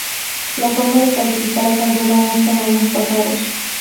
La forma de calificar ha cambiado mucho en años pasados.